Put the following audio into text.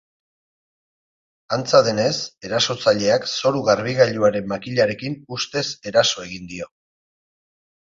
Antza denez, erasotzaileak zoru-garbigailuaren makilarekin ustez eraso egin dio.